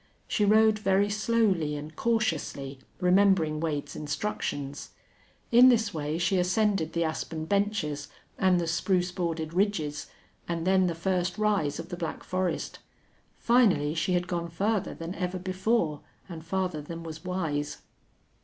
She rode very slowly and cautiously, remembering Wade's instructions. In this way she ascended the aspen benches, and the spruce bordered ridges, and then the first rise of the black forest. Finally she had gone farther than ever before and farther than was wise.